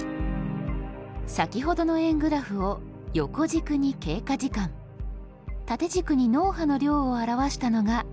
先ほどの円グラフを横軸に経過時間縦軸に脳波の量を表したのがこちら。